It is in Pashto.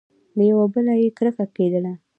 له یوه بله یې کرکه کېدله !